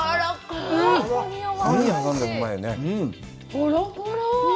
ほろほろ。